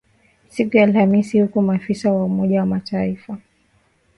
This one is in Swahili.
siku ya Alhamis huku maafisa wa Umoja wa Mataifa